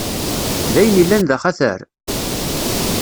D ayen illan d axatar?